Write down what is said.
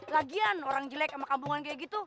lagian orang jelek sama kabungan kayak gitu